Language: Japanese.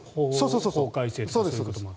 法改正とかそういうのもあって。